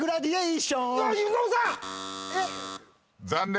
残念。